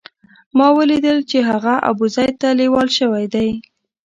ما ولیدل چې هغه ابوزید ته لېوال شوی دی.